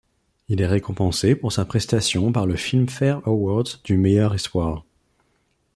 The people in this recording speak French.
Il est récompensé pour sa prestation par le Filmfare Award du meilleur espoir.